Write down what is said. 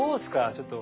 ちょっと。